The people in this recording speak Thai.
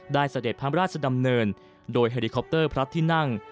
เสด็จพระราชดำเนินโดยเฮลิคอปเตอร์พระที่นั่ง